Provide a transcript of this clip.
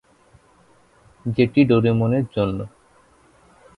যেটি ডোরেমনের জন্য।